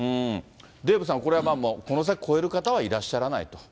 デーブさん、これはこの先超える方はいらっしゃらないと。